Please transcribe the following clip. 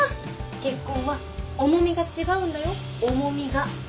結婚は重みが違うんだよ重みが。